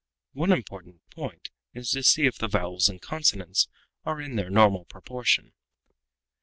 "One important point is to see if the vowels and consonants are in their normal proportion."